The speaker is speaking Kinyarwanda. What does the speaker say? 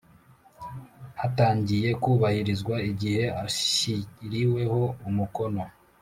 hatangiye kubahirizwa igihe ashyiriweho umukono